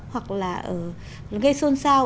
hoặc là gây xôn xao